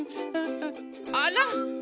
あら！